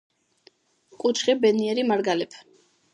კუჩხი ბედნიერი მარგალეფ